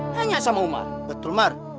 hanya sama umar betul mar